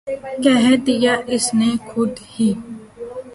کہہ دیا اس نے خود ہی